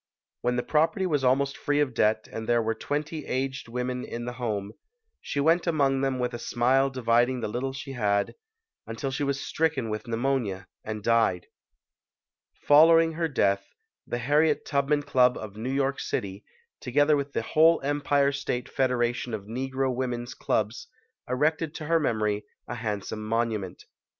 When the property was almost free of debt and there were twenty aged women in the home, she went among them with a smile dividing the little she had, until she was stricken with pneumonia and died. Following her death, the Harriet Tubman Club HARRIET TUBMAN [ 101 of New York City, together with the whole Em pire State Federation of Negro Women's Clubs, erected to her memory a handsome monument.